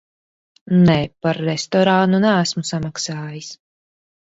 Nē, par restorānu neesmu samaksājis.